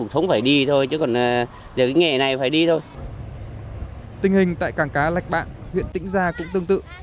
tình hình tại cảng cá lạch bạng huyện tĩnh gia cũng tương tự